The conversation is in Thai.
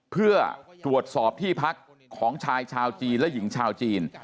เพื่อตรวจสอบที่พักของชายชาวจีนและหญิงชาวจีน